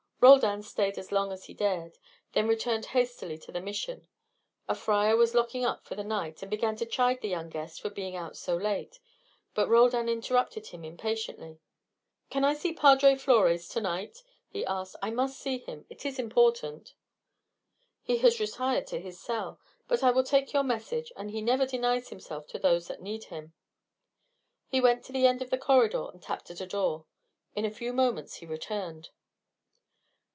Roldan stayed as long as he dared, then returned hastily to the Mission. A friar was locking up for the night, and began to chide the young guest for being out so late, but Roldan interrupted him impatiently. "Can I see Padre Flores to night?" he asked. "I must see him. It is important." "He has retired to his cell, but I will take your message; and he never denies himself to those that need him." He went to the end of the corridor and tapped at a door. In a few moments he returned.